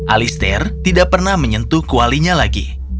alister tidak pernah menyentuh kualinya lagi